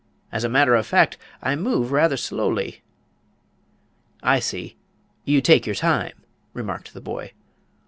As a matter of fact, I move rather slowly." "I see, you take your time," remarked the boy.